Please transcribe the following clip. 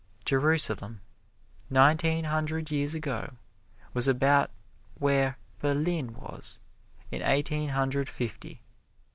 Jerusalem, nineteen hundred years ago, was about where Berlin was in Eighteen Hundred Fifty.